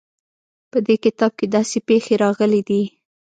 په دې کتاب کې داسې پېښې راغلې دي.